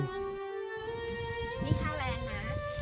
นี่ค่าแรงนะ